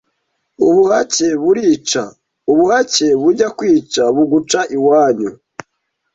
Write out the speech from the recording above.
ubuhake burica; ubuhake bujya kukwica buguca iwanyu